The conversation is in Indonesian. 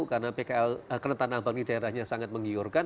karena pkl karena tanah abang di daerahnya sangat menggiurkan